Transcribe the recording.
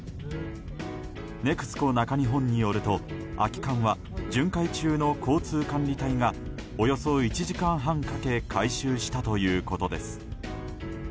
ＮＥＸＣＯ中日本によると空き缶は巡回中の交通管理隊がおよそ１時間半かけ回収したということです。